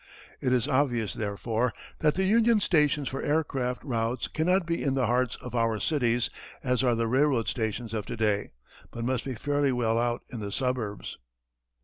It is obvious therefore that the union stations for aircraft routes cannot be in the hearts of our cities as are the railroad stations of to day, but must be fairly well out in the suburbs.